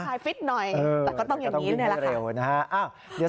ใช่ฟิตหน่อยแต่ก็ต้องอย่างนี้เลยค่ะ